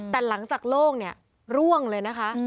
แต่หลังจากโล่งเนี่ยร่วงเลยนะคะ